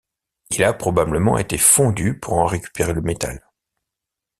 Il a probablement été fondu pour en récupérer le métal.